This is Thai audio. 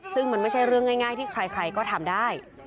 ซึ่งมันไม่ใช่เรื่องง่ายที่ใครก็ทำได้